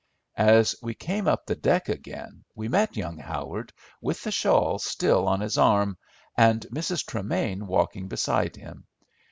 As we came up the deck again we met young Howard with the shawl still on his arm and Mrs. Tremain walking beside him.